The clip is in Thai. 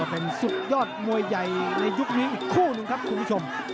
เป็นสุดยอดมวยใหญ่ในยุคนี้อีกคู่หนึ่งครับคุณผู้ชม